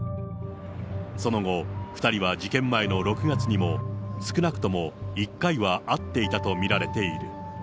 その後、２人は事件前の６月にも、少なくとも１回は会っていたと見られている。